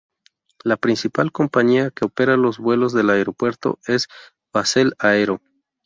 La principal compañía que opera los vuelos del aeropuerto es Basel Aero.